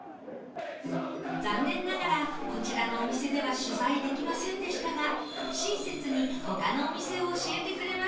残念ながらこちらのお店では取材できませんでしたが親切に他のお店を教えてくれました